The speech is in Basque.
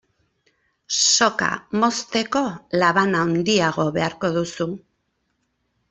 Soka mozteko laban handiago beharko duzu.